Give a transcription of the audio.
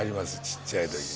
ちっちゃいとき。